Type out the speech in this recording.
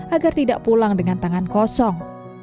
agar tidak pulang dengan tangan kosong